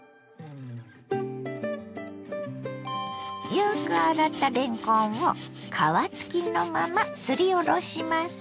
よく洗ったれんこんを皮付きのまますりおろします。